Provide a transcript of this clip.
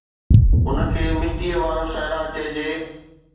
ان کي مٽيءَ وارو صحرا چئجي